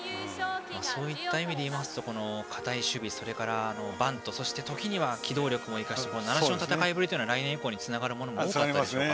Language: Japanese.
そういった意味で言いますと堅い守備、それからバント時には機動力を生かした習志野の戦いぶりは来年以降につながるものがありましたね。